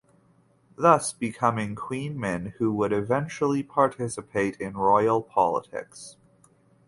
Thus becoming Queen Min who would eventually participate in Royal politics.